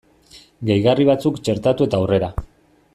Gehigarri batzuk txertatu eta aurrera!